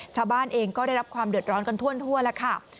ชาวบ้านเองก็ได้รับความเดือดร้อนกันทั่วแล้วค่ะ